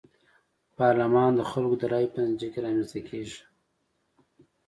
پارلمان د خلکو د رايو په نتيجه کي رامنځته کيږي.